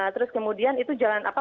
terus kemudian itu jalan apa